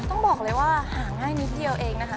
ต้องบอกเลยว่าหาง่ายนิดเดียวเองนะคะ